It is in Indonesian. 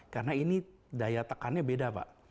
karena ini daya tekannya beda pak